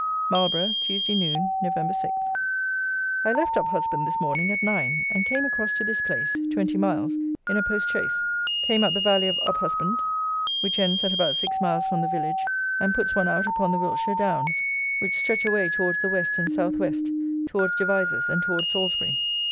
Marlborough, Tuesday noon, Nov. 6. I left Uphusband this morning at 9, and came across to this place (20 miles) in a post chaise. Came up the valley of Uphusband, which ends at about 6 miles from the village, and puts one out upon the Wiltshire Downs, which stretch away towards the West and South west, towards Devizes and towards Salisbury.